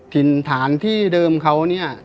ถิ่นฐานที่เดิมเขาเนี่ย